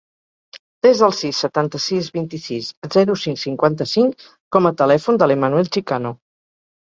Desa el sis, setanta-sis, vint-i-sis, zero, cinc, cinquanta-cinc com a telèfon de l'Emanuel Chicano.